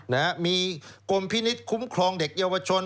นะฮะมีกรมพินิษฐ์คุ้มครองเด็กเยาวชน